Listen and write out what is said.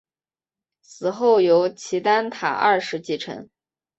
死后由齐丹塔二世继承。